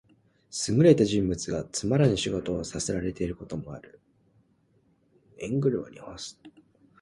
優れた人物がつまらぬ仕事をさせらていることである。「驥、塩車に服す」とも読む。